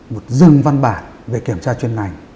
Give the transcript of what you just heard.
một dừng văn bản về kiểm tra chuyên ngành